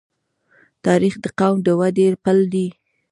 تاریخ د قوم د ودې پل دی.